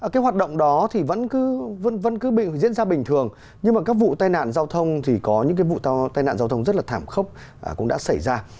cái hoạt động đó thì vẫn cứ vẫn cứ diễn ra bình thường nhưng mà các vụ tai nạn giao thông thì có những cái vụ tai nạn giao thông rất là thảm khốc cũng đã xảy ra